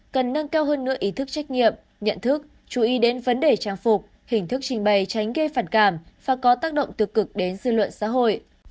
cần nâng cao hơn nửa ý thức trách nhiệm nhận thức chú ý đến vấn đề trang phục hình thức trình bày tránh gây phản cảm và có tác động tiêu cực đến dư luận xã hội